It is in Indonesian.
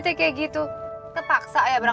ternyata gagal deh jalan bareng sama handsome gary